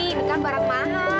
ini kan barang mahal